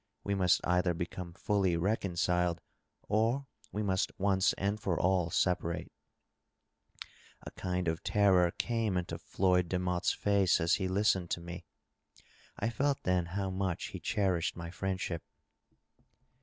We must either become fully reconciled or we must once and for all separate. A kind of terror came into Floyd Demotte's fiioe as he listened to Vol. XXXIX.— 87 662 DOUGLAS DUANE, me. I felt then how much he cherished my friendship.